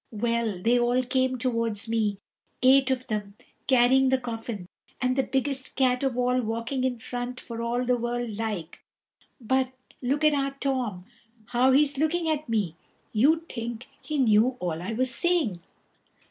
Well, they all came towards me, eight of them carrying the coffin, and the biggest cat of all walking in front for all the world like but look at our Tom, how he's looking at me. You'd think he knew all I was saying."